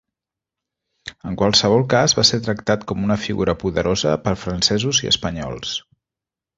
En qualsevol cas va ser tractat com una figura poderosa per francesos i espanyols.